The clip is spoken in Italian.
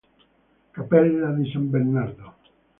Cappella di San Bernardo